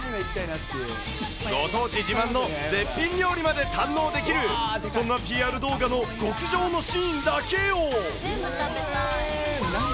ご当地自慢の絶品料理まで堪能できる、そんなＰＲ動画の極上のシーンだけを。